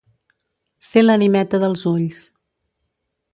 Ser l'animeta dels ulls.